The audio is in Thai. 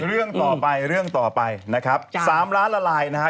เรื่องต่อไปเรื่องต่อไปนะครับ๓ล้านละลายนะฮะ